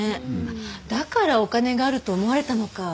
だからお金があると思われたのか。